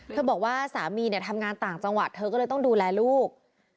บอกว่าสามีเนี่ยทำงานต่างจังหวัดเธอก็เลยต้องดูแลลูก